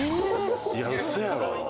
いやウソやろ？